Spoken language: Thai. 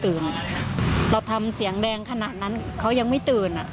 เราทำเสียงแดงขนาดนั้นเขายังไม่ตื่นอ่ะ